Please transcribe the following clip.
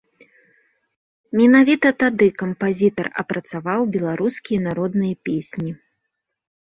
Менавіта тады кампазітар апрацаваў беларускія народныя песні.